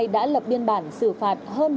đã lập biên bản xử phạt hơn một hai trăm linh